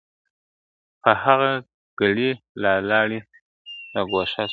په هغه ګړي له لاري را ګوښه سول ..